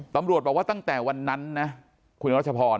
ตำรวจบอกว่าตั้งแต่วันนั้นนะคุณรัชพร